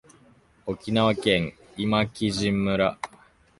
沖縄県今帰仁村